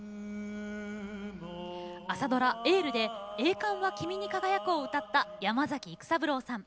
朝ドラ「エール」で「栄冠は君に輝く」を歌った山崎育三郎さん。